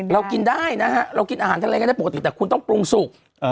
เรากินได้นะฮะเรากินอาหารทะเลกันได้ปกติแต่คุณต้องปรุงสุก